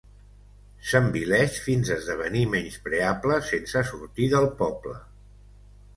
S'envileix fins esdevenir menyspreable sense sortir del poble.